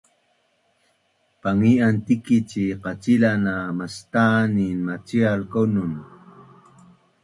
pangian tikic i qacila na mastanin macial kaunun